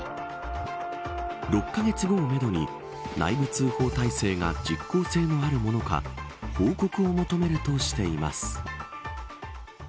６カ月後をめどに内部通報体制が実効性のあるものか報告を求めるとしています。